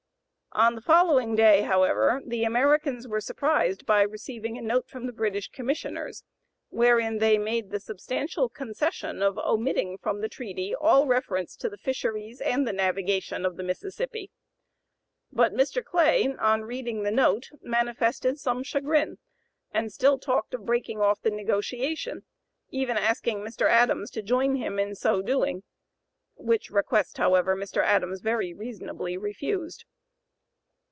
On the following day, however, the Americans were surprised by receiving a note from the British Commissioners, wherein they made the substantial concession of omitting from the treaty all reference to the fisheries and the navigation of the Mississippi. But Mr. Clay, on reading the note, "manifested some chagrin," and "still talked of breaking off the negotiation," even asking Mr. Adams to join him in so doing, which request, however, Mr. Adams very reasonably refused.